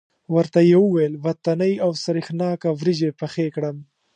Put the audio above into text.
ورته یې وویل وطنۍ او سرېښناکه وریجې پخې کړم.